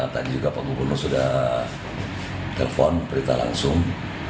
tadi juga pak gubernur sudah telpon berita langsung